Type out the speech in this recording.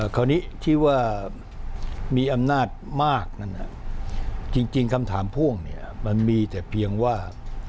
คราวนี้ที่ว่ามีอำนาจมากนั่นจริงคำถามพ่วงเนี่ยมันมีแต่เพียงว่า